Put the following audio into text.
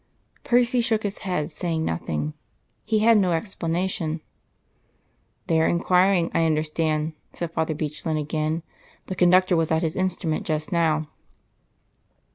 Percy shook his head, saying nothing. He had no explanation. "They are inquiring, I understand," said Father Bechlin again. "The conductor was at his instrument just now."